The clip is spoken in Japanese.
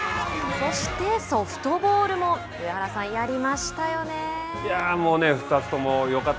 そして、ソフトボールもやりましたね、上原さん。